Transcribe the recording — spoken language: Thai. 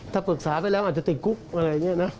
ถ้าปรึกษาไปแล้วอาจจะติดคุกอะไรอย่างนี้นะ